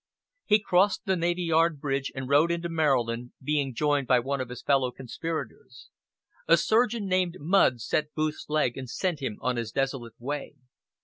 He crossed the Navy Yard bridge and rode into Maryland, being joined by one of his fellow conspirators. A surgeon named Mudd set Booth's leg and sent him on his desolate way.